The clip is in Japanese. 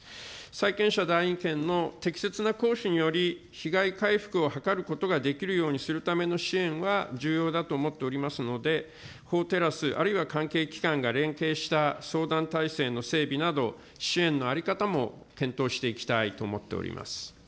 債権者代位権の適切な行使により、被害回復を図ることができるようにするための支援は重要だと思っておりますので、法テラス、あるいは関係機関が連携した相談体制の整備など、支援の在り方も検討していきたいと思っております。